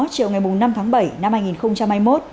vào tối ngày năm tháng bảy năm hai nghìn hai mươi một